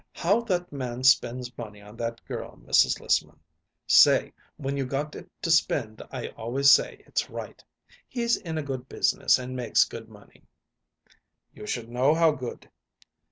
How that man spends money on that girl, Mrs. Lissman!" "Say, when you got it to spend I always say it's right. He's in a good business and makes good money." "You should know how good."